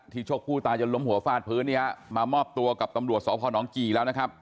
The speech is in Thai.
ที่ชกผู้ตายจนล้มหัวฟาดพื้นมามอบตัวกับตำรวจสหพน้องกี่แล้วนะครับ